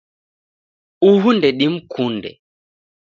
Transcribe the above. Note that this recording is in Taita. Uhu ndedimkunde.